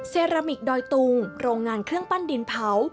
เซรามิกดอยตุงโรงงานเครื่องปั้นดินเผา